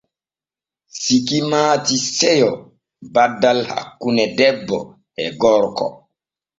Siki maati seyo baddal hakkune debbo e gorko.